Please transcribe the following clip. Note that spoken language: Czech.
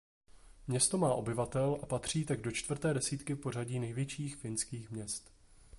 Město má obyvatel a patří tak do čtvrté desítky pořadí největších finských měst.